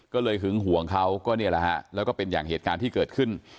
ก็เลยหึงห่วงเขาก็เนี่ยแหละฮะแล้วก็เป็นอย่างเหตุการณ์ที่เกิดขึ้น